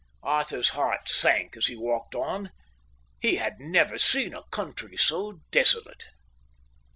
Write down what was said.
Arthur's heart sank as he walked on. He had never seen a country so desolate.